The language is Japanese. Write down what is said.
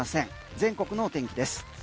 全国の天気です。